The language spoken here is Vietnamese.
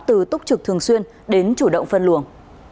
từ túc trực thường xuyên đến chủ động phân luồng